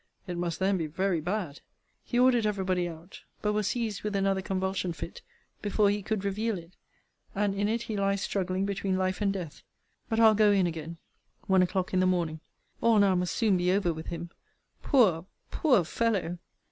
It must then be very bad! He ordered every body out; but was seized with another convulsion fit, before he could reveal it; and in it he lies struggling between life and death but I'll go in again. ONE O'CLOCK IN THE MORNING. All now must soon be over with him: Poor, poor fellow!